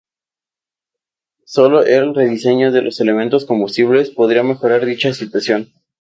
Sólo el re-diseño de los elementos combustibles podría mejorar dicha situación.